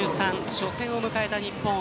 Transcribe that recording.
初戦を迎えた日本。